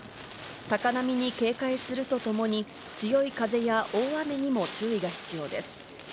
高波に警戒するとともに、強い風や大雨にも注意が必要です。